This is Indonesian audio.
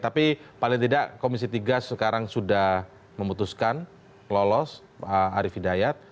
tapi paling tidak komisi tiga sekarang sudah memutuskan lolos arief hidayat